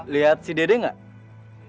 lihat si dede gak